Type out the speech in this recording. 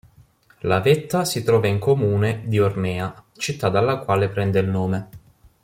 La vetta si trova in comune di Ormea, città dalla quale prende il nome.